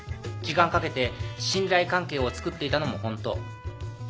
時間かけて信頼関係をつくっていたのも本当。